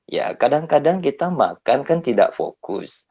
ya kadang kadang kita makan kan tidak fokus